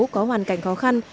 có hoàn cảnh khó khăn